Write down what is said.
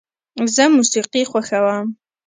زه موسیقي خوښوم.